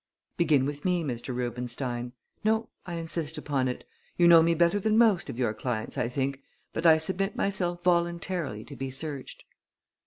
Begin with me, Mr. Rubenstein. No I insist upon it. You know me better than most of your clients, I think; but I submit myself voluntarily to be searched."